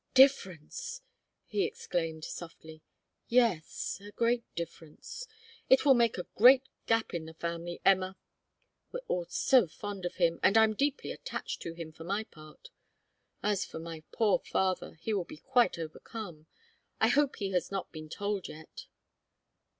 Difference!" he exclaimed, softly. "Yes a great difference. It it will make a great gap in the family, Emma. We're all so fond of him, and I'm deeply attached to him, for my part. As for my poor father, he will be quite overcome. I hope he has not been told yet."